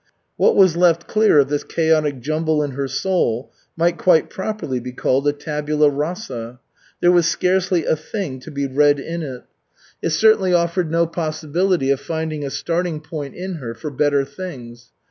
What was left clear of this chaotic jumble in her soul might quite properly be called a tabula rasa. There was scarcely a thing to be read in it; it certainly offered no possibility of finding a starting point in her for better things.